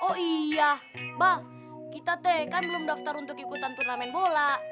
oh iya bang kita teh kan belum daftar untuk ikutan turnamen bola